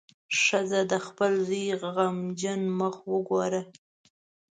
ښځه د خپل زوی غمجن مخ وګوره.